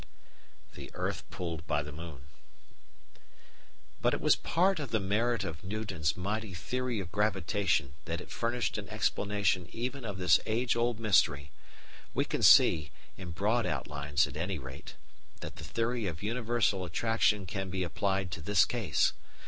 The Earth Pulled by the Moon But it was part of the merit of Newton's mighty theory of gravitation that it furnished an explanation even of this age old mystery. We can see, in broad outlines at any rate, that the theory of universal attraction can be applied to this case.